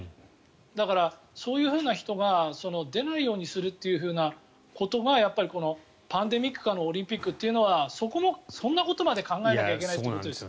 だから、そういうふうな人が出ないようにするということがやっぱりパンデミック下のオリンピックというのはそんなことまで考えないといけないということです。